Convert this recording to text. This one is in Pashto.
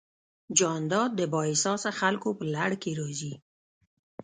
جانداد د بااحساسه خلکو په لړ کې راځي.